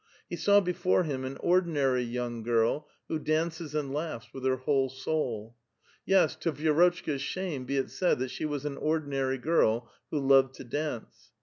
He saw before him an ordinary 30ung i girl, who dances and laughs with her whole soul. Yes, to Vi^rotchka's shame be it said that she was an ordinary girl who loved to dance.